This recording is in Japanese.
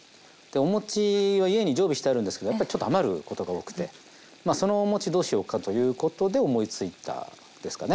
お餅は家に常備してあるんですけどやっぱりちょっと余ることが多くてまあそのお餅どうしようかということで思いついたですかね。